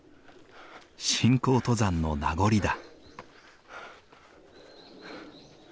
信仰登山の名残だ。